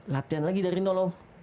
latihan lagi dari nol om